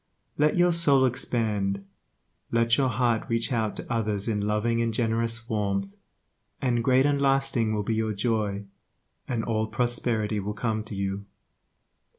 Let your soul expand, let your heart reach out to others in loving and generous warmth, and great and lasting will be your joy, and all prosperity will come to you.